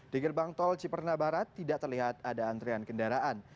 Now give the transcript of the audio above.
di gerbang tol cipernabarat tidak terlihat ada antrian kendaraan